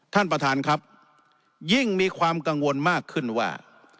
ท่านประธานครับยิ่งมีความกังวลมากขึ้นว่า